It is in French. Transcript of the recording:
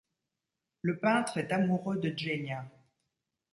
Le peintre est amoureux de Génia.